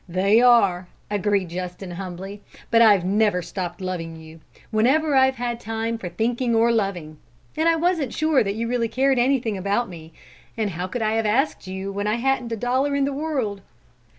"They are," agreed Justin humbly, "but I've never stopped loving you, whenever I've had time for thinking or loving. And I wasn't sure that you really cared anything about me; and how could I have asked you when I hadn't a dollar in the world?"